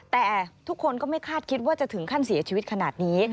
แต่ทุกคนก็ไม่คาดคิดว่าจะถึงขั้นเสียชีวิตขนาดนี้